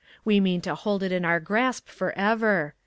We mean to hold it in our grasp forever.